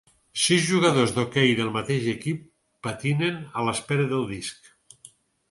Sis jugadors d'hoquei del mateix equip patinen a l'espera del disc.